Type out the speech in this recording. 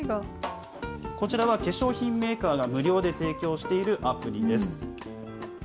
こちらは化粧品メーカーが無料で提供しているアプリです。